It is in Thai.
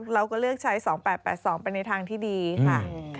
เราก็เลือกใช้๒๘๘๒ไปในทางที่ดีค่ะ